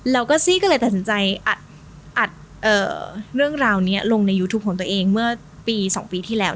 แล้วก็ซี่ก็เลยตัดสินใจอัดเรื่องราวนี้ลงในยูทูปของตัวเองเมื่อปี๒ปีที่แล้ว